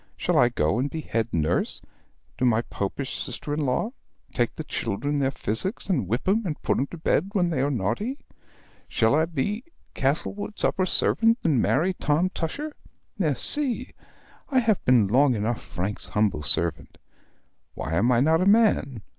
Shall I go and be head nurse to my Popish sister in law, take the children their physic, and whip 'em, and put 'em to bed when they are naughty? Shall I be Castlewood's upper servant, and perhaps marry Tom Tusher? Merci! I have been long enough Frank's humble servant. Why am I not a man?